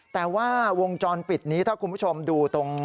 แต่ว่าวงจรปิดนี้ถ้าคุณผู้ชมดูตรง